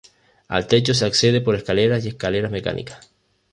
Al techo se accede por escaleras y escaleras mecánicas.